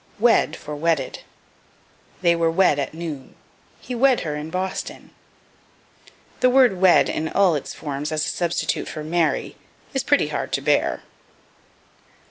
Wed for Wedded. "They were wed at noon." "He wed her in Boston." The word wed in all its forms as a substitute for marry, is pretty hard to bear.